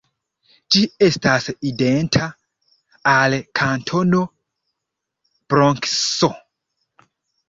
Ĝi estas identa al Kantono Bronkso.